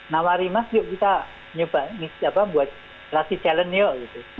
nawari mas yuk kita nyoba buat latih challenge yuk